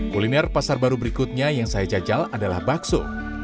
kuliner pasar baru berikutnya yang saya cacal adalah bakso